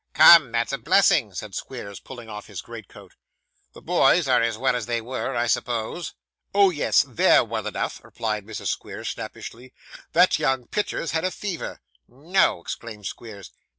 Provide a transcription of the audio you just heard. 'Come; that's a blessing,' said Squeers, pulling off his great coat. 'The boys are all as they were, I suppose?' 'Oh, yes, they're well enough,' replied Mrs. Squeers, snappishly. 'That young Pitcher's had a fever.' 'No!' exclaimed Squeers.